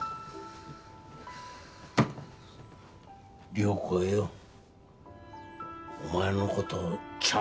理代子はよお前の事ちゃんと。